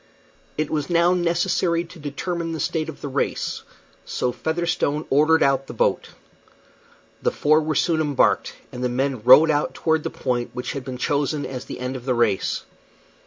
It was now necessary to determine the state of the race, so Featherstone ordered out the boat. The four were soon embarked, and the men rowed out toward the point which had been chosen as the end of the race.